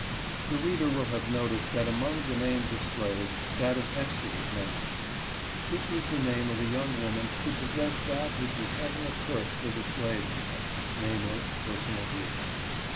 The reader will have noticed that, among the names of slaves, that of Esther is mentioned. This was the name of a young woman who possessed that which was ever a curse to the slave girl — namely, personal beauty.